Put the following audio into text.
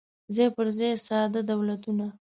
څای پر ځای ساده دولتونه